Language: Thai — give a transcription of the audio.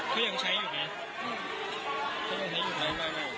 เขายังใช้อยู่ไหนบ้างรึเปล่า